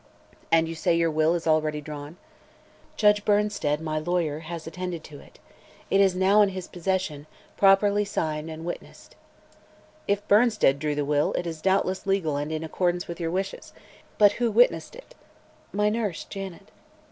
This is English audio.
"And you say your will is already drawn?" "Judge Bernsted, my lawyer, has attended to it. It is now in his possession, properly signed and witnessed." "If Bernsted drew the will, it is doubtless legal and in accordance with your wishes. But who witnessed it?" "My nurse, Janet."